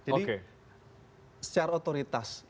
jadi secara otoritas